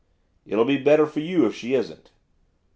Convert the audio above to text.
'It'll be better for you if she isn't.